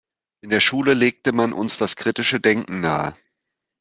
In der Schule legte man uns das kritische Denken nahe.